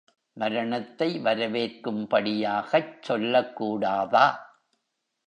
மரணத்தை வரவேற்கும்படியாகச் சொல்லக் கூடாதா?